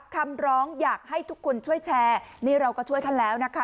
คำร้องอยากให้ทุกคนช่วยแชร์นี่เราก็ช่วยท่านแล้วนะคะ